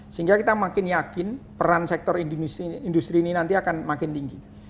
sehingga kita makin yakin peran sektor industri ini nanti akan makin tinggi